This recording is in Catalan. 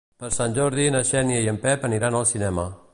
Per Sant Jordi na Xènia i en Pep aniran al cinema.